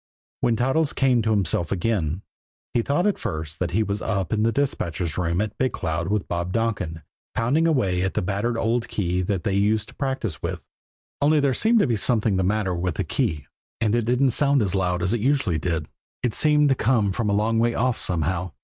When Toddles came to himself again, he thought at first that he was up in the dispatcher's room at Big Cloud with Bob Donkin pounding away on the battered old key they used to practice with only there seemed to be something the matter with the key, and it didn't sound as loud as it usually did it seemed to come from a long way off somehow.